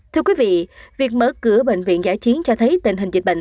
thưa quý vị việc mở cửa bệnh viện giải chiến cho thấy tình hình dịch bệnh